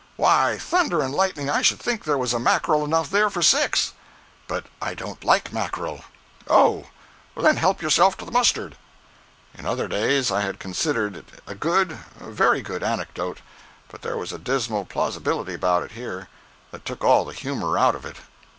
Why, thunder and lightning, I should think there was mackerel enough there for six." "But I don't like mackerel." "Oh—then help yourself to the mustard." In other days I had considered it a good, a very good, anecdote, but there was a dismal plausibility about it, here, that took all the humor out of it.